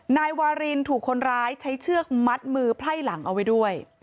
นายวารินถูกคนร้ายใช้เชือกมัดมือไพ่หลังเอาไว้ด้วย